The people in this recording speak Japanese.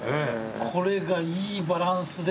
これがいいバランスで。